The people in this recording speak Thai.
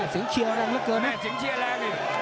สิงเชียร์แรงเกินนะสิงเชียร์แรงอีก